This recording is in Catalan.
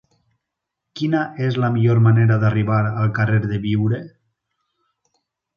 Quina és la millor manera d'arribar al carrer de Biure?